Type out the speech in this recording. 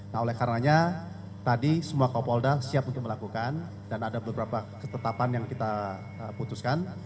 nah oleh karenanya tadi semua kapolda siap untuk melakukan dan ada beberapa ketetapan yang kita putuskan